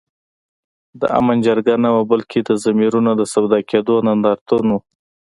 د آمن جرګه نه وه بلکي د ضمیرونو د سودا کېدو نندارتون وو